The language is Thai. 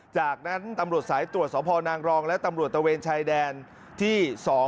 จากนั้นตำรวจสายตรวจสพนางรองและตำรวจตะเวนชายแดนที่๒